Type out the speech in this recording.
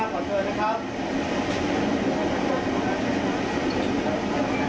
ครอบครัวไม่ได้อาฆาตแต่มองว่ามันช้าเกินไปแล้วที่จะมาแสดงความรู้สึกในตอนนี้